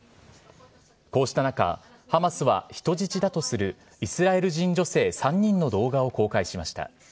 こうした中、ハマスは人質だとするイスラエル人女性３人の動画を公開しました。